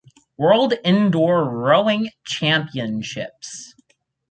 World Indoor Rowing Championships.